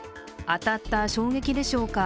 当たった衝撃でしょうか。